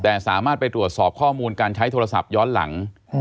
แต่สามารถไปตรวจสอบข้อมูลการใช้โทรศัพท์ย้อนหลัง